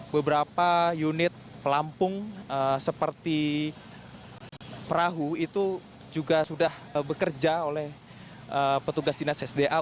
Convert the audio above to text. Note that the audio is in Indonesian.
beberapa unit pelampung seperti perahu itu juga sudah bekerja oleh petugas dinas sda